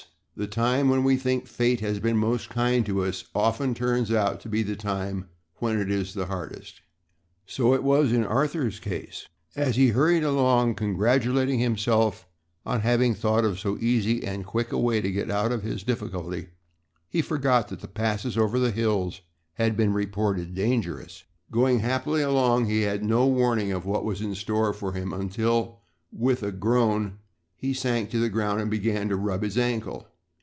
The time when we think fate has been most kind to us often turns out to be the time when it is hardest. So it was in Arthur's case. As he hurried along, congratulating himself on having thought of so easy and quick a way to get out of his difficulty, he forgot that the passes over the hills had been reported dangerous. Going happily along he had no warning of what was in store for him until, with a groan, he sank to the ground and began to rub his ankle.